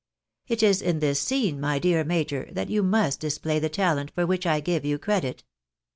It is in this scene, my dear major, that you must display the talent for which I give you credit.